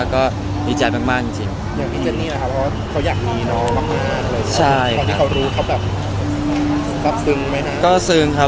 ก็สมควรใช่ครับก็สมดุลแบบ